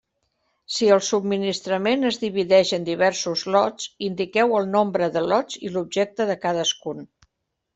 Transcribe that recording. Si el subministrament es divideix en diversos lots, indiqueu el nombre de lots i l'objecte de cadascun.